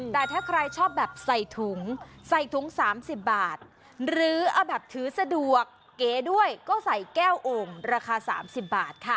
แต่ถ้าใครชอบใส่ถุง๓๐บาทหรือถือสะดวกเก๋ด้วยก็ใส่แก้วโอ่งราคา๓๐บาทค่ะ